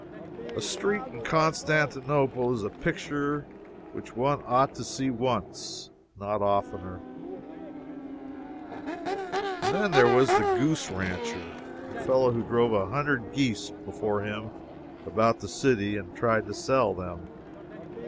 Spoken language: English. A street in Constantinople is a picture which one ought to see once not oftener. And then there was the goose rancher a fellow who drove a hundred geese before him about the city, and tried to sell them.